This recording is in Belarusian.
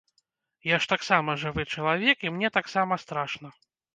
Я ж таксама жывы чалавек, і мне таксама страшна.